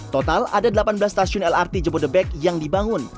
total ada delapan belas stasiun lrt jabodebek yang dibangun